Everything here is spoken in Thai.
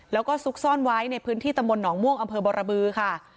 แล้วก็ซุกซ่อนไว้ในพื้นที่ตำบลหนองม่วงอำเภอบรบือค่ะ